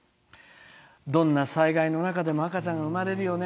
どんな災害の中でも赤ちゃんは生まれるよね。